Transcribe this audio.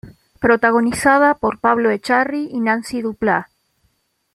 Protagonizada por Pablo Echarri y Nancy Dupláa.